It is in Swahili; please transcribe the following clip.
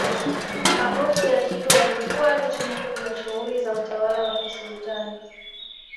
magofu ya kilwa yalikuwa yakitumika kwenye shughuli za utawala wa kisultani